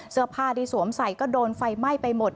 เสื้อผ้าที่สวมใส่ก็โดนไฟไหม้ไปหมด